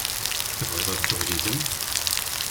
Tebɣiḍ ad dduɣ yid-m?